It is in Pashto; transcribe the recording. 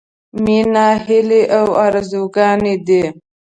— مينه هيلې او ارزوګانې دي.